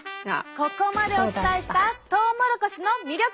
ここまでお伝えしたトウモロコシの魅力。